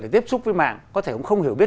tiếp xúc với mạng có thể cũng không hiểu biết